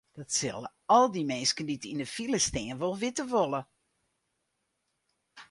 Dat sille al dy minsken dy't yn de file stean wol witte wolle.